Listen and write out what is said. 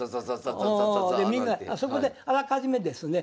そこであらかじめですね